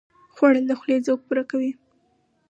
خوړل د خولې ذوق پوره کوي